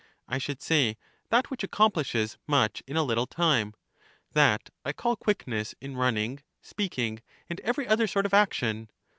I should say that which accomplishes much in a little time — that I call quickness in running, speaking, and every other sort of action.